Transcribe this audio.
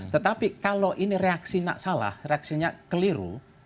tetapi kalau ini reaksi tidak salah reaksinya keliru